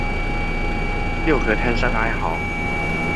六合攤商哀號